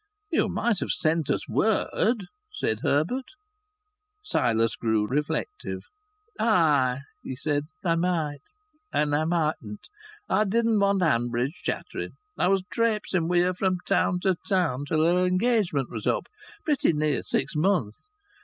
"You might have sent us word," said Herbert. Silas grew reflective. "Ah!" he said. "I might and I mightn't. I didn't want Hanbridge chattering. I was trapesing wi' her from town to town till her engagement was up pretty near six months.